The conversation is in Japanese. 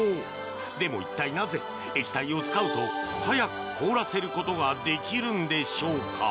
でも一体なぜ、液体を使うと早く凍らせることができるのでしょうか？